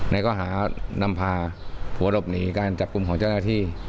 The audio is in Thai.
ข้อหานำพาผัวหลบหนีการจับกลุ่มของเจ้าหน้าที่